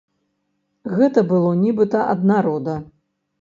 Гэта было нібыта ад народа.